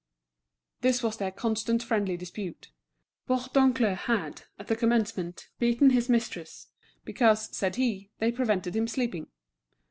This was their constant friendly dispute. Bourdoncle had, at the commencement, beaten his mistresses, because, said he, they prevented him sleeping.